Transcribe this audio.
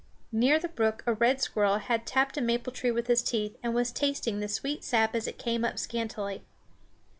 Near the brook a red squirrel had tapped a maple tree with his teeth and was tasting the sweet sap as it came up scantily.